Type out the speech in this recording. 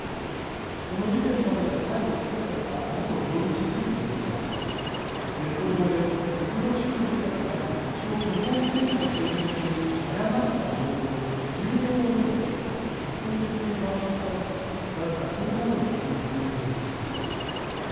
この事件などで逮捕・起訴された元病院職員の男はネット上でウトロ地区の人たちが土地を不法に占拠しているという誤った情報、流言を読んで一方的に不満を募らせ僅か１０日後に犯行に及んでいました。